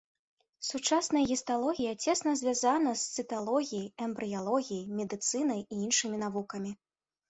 Сучасная гісталогія цесна звязана з цыталогіяй, эмбрыялогіяй, медыцынай і іншымі навукамі.